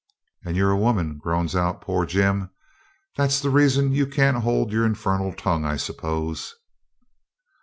'And you're a woman,' groans out poor Jim. 'That's the reason you can't hold your infernal tongue, I suppose.'